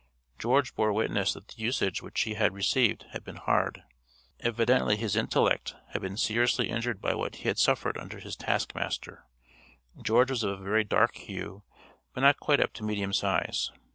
George bore witness that the usage which he had received had been hard; evidently his intellect had been seriously injured by what he had suffered under his task master. George was of a very dark hue, but not quite up to medium size.